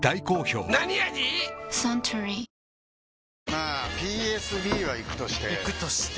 まあＰＳＢはイクとしてイクとして？